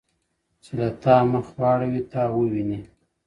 چي له تا مخ واړوي تا وویني؛